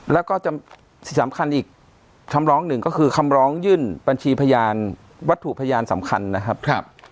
แล้วก็สิ่งสำคัญอีกคำร้องหนึ่งก็คือคำร้องยื่นบัญชีพยานวัตถุพยานสำคัญนะครับ